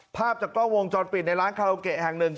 ภาพจากกล้องวงจรปิดในร้านคาราโอเกะแห่งหนึ่ง